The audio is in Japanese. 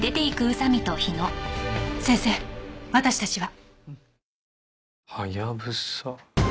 先生私たちは。